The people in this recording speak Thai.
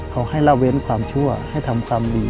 เขาให้ละเว้นความชั่วให้ทำความดี